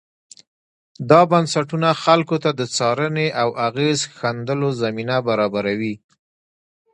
دا بنسټونه خلکو ته د څارنې او اغېز ښندلو زمینه برابروي.